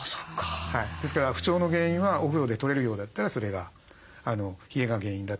ですから不調の原因はお風呂で取れるようだったらそれが冷えが原因だったということになります。